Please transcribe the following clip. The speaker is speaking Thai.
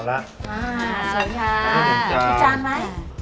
จำไหม